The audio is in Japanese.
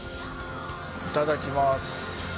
いただきます。